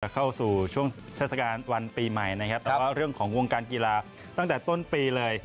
เข้าสู่ช่วงเทศกาลวันปีใหม่นะครับแต่ว่าเรื่องของวงการกีฬาตั้งแต่ต้นปีเลย